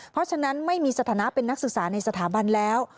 เพราะฉะนั้นไม่มีสถานะเป็นนักศึกษาในสถาบันแล้ว